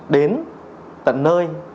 đến tận nơi